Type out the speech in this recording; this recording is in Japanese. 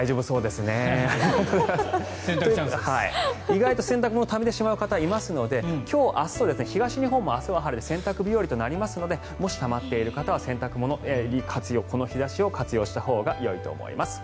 意外と洗濯物をためてしまう方がいますので今日明日と東日本も明日は晴れて洗濯日和となりますのでもし、たまっている方はこの日差しを活用したほうがいいと思います。